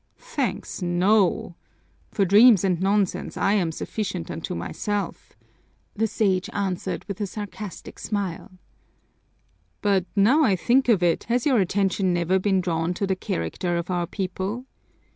"Thanks, no! For dreams and nonsense I am sufficient unto myself," the Sage answered with a sarcastic smile. "But now I think of it, has your attention never been drawn to the character of our people?